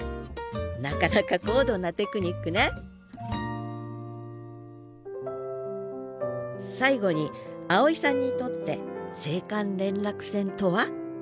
なかなか高度なテクニックね最後に青井さんにとって青函連絡船とは？